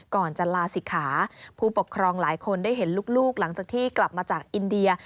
ก่อนจะลาศิกขาผู้ปกครองหลายคนได้เห็นลูกหลังจากที่กลับมาจากอินเดีย